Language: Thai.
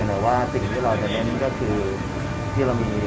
เวลาชะตรัสต่อประสิทธิ์